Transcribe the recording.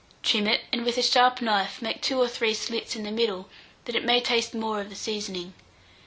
Trim it, and with a sharp knife make two or three slits in the middle, that it may taste more of the seasoning.